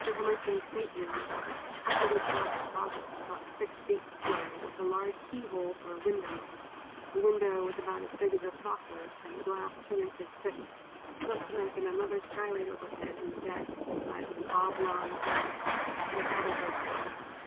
Emerson's state room was like a carpeted dark closet, about six feet square, with a large keyhole for a window (the window was about as big as a saucer, and the glass two inches thick), not to mention another skylight overhead in the deck, of the size of an oblong doughnut, and about as opaque.